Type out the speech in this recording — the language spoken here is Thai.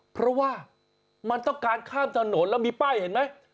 เพราะว่ามันต้องการข้ามถนนแล้วมีป้ายเห็นไหม